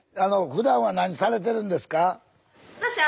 ふだんは何されてるんですか？